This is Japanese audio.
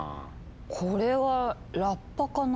これはラッパかな？